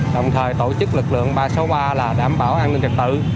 đồng thời tổ chức lực lượng ba trăm sáu mươi ba là đảm bảo an ninh trật tự